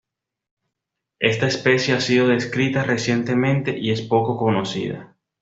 Esta especie ha sido descrita recientemente y es poco conocida.